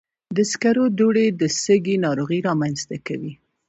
د سکرو دوړې د سږي ناروغۍ رامنځته کوي.